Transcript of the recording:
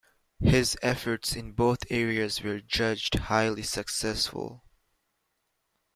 His efforts in both areas were judged highly successful.